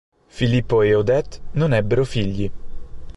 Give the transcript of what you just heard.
Filippo ed Odette non ebbero figli.